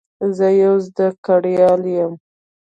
زه یو زده کړیال یم.